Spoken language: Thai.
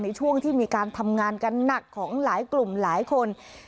ในช่วงที่มีการทำงานกันหนักของหลายกลุ่มหลายคน